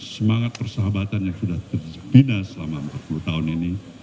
semangat persahabatan yang sudah terbina selama empat puluh tahun ini